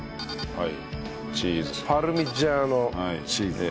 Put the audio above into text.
はい。